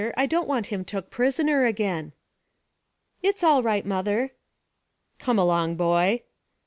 I don't want him took prisoner again." "It's all right, mother." "Come along, boy."